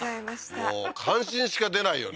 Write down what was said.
もう感心しか出ないよね